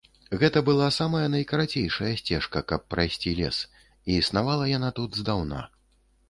Гэта была самая найкарацейшая сцежка, каб прайсці лес, і існавала яна тут здаўна.